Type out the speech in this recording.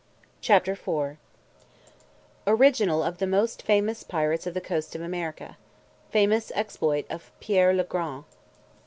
CHAPTER IV _Original of the most famous pirates of the coasts of America Famous exploit of Pierre le Grand.